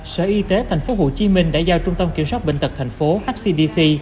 sở y tế tp hcm đã giao trung tâm kiểm soát bệnh tật tp hcdc